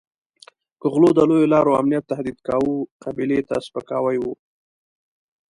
که غلو د لویو لارو امنیت تهدید کاوه قبیلې ته سپکاوی وو.